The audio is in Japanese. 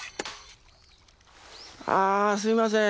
あすいません。